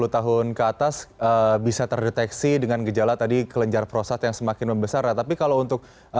sepuluh tahun ke atas bisa terdeteksi dengan gejala tadi kelenjar prosat yang semakin membesar tapi kalau untuk